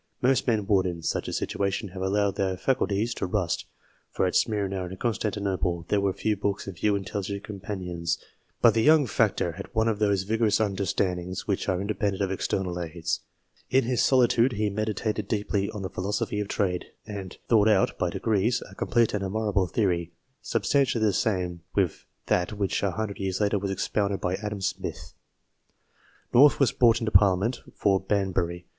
Most men would; in such a situation, have allowed their faculties to rust ; for at Smyrna and Con stantinople there were few books and few intelligent companions. But the young factor had one of those vigorous understandings which are independent of external aids. In his solitude he meditated deeply on the philo sophy of trade, and thought out, by degrees, a complete and admirable theory substantially the same with that which a hundred years later was expounded by Adam Smith." North was brought into Parliament for Banbury